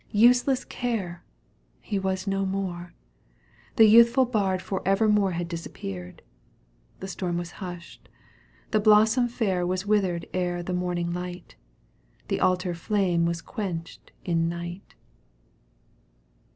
Useless care ! He was no more ! The youthful bard For evermore had disappeared. The storm was hushed. The blossom fair Was withered ere the morning light — The altar flame was quenched in night.